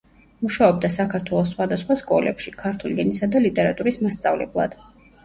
მუშაობდა საქართველოს სხვადასხვა სკოლებში, ქართული ენისა და ლიტერატურის მასწავლებლად.